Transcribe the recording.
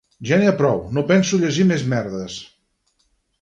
Ja n'hi ha prou, no penso llegir més merdes